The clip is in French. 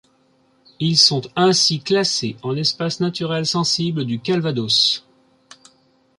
Ils sont ainsi classés en espace naturel sensible du Calvados.